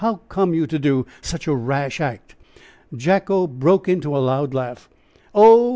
how came you to do such a rash act?" Jacko broke into a loud laugh. "Oh!